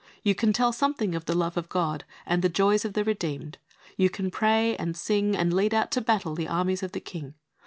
You can tell something of the love of God, and the joys of the redeemed. You can pray, and sing, and lead out to battle the armies of the King.